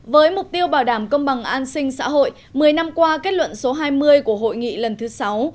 với mục tiêu bảo đảm công bằng an sinh xã hội một mươi năm qua kết luận số hai mươi của hội nghị lần thứ sáu